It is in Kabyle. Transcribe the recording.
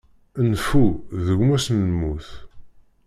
Nnfu, d gma-s n lmut.